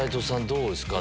どうですか？